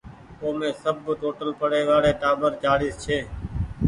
اومي سب ٽوٽل پڙي وآڙي ٽآٻر چآڙيس ڇي۔